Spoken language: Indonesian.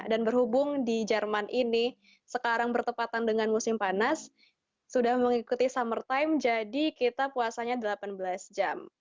dan berhubung di jerman ini sekarang bertepatan dengan musim panas sudah mengikuti summertime jadi kita puasanya delapan belas jam